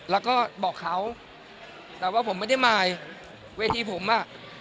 แล้วก็บอกเขาแต่ว่าผมไม่ได้มายเวทีผมอ่ะ